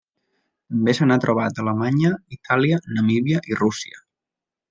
També se n'ha trobat a Alemanya, Itàlia, Namíbia i Rússia.